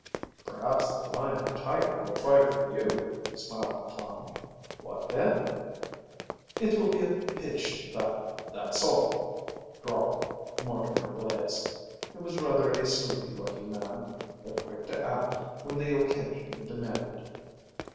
"Perhaps the lion or tiger will try for you," smiled Tom. "What then?" "It will be a pitched battle, that's all," drawled Mortimer Blaze. He was rather a sleepy looking man, but quick to act when the occasion demanded.